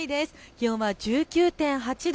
気温は１９．８度。